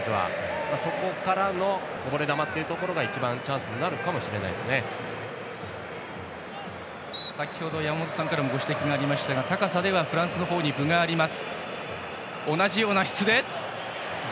そこからのこぼれ球というところが一番チャンスになるかも先ほど山本さんからもご指摘がありましたが高さではフランスのほうに分があります。